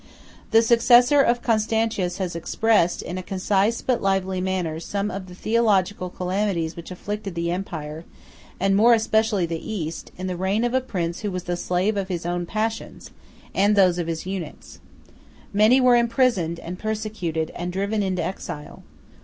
The successor of Constantius has expressed, in a concise but lively manner, some of the theological calamities which afflicted the empire, and more especially the East, in the reign of a prince who was the slave of his own passions, and of those of his eunuchs: "Many were imprisoned, and persecuted, and driven into exile.